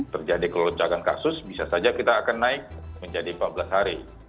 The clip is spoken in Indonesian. terjadi keloncakan kasus bisa saja kita akan naik menjadi empat belas hari